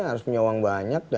harus punya uang banyak